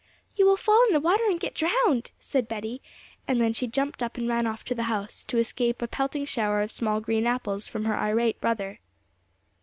'You will fall in the water and get drowned,' said Betty; and then she jumped up and ran off to the house, to escape a pelting shower of small green apples from her irate brother.